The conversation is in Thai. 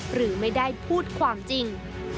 หรือไม่ได้พูดความจริง